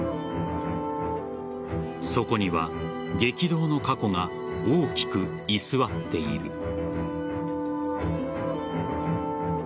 そこには激動の過去が大きく居座っている。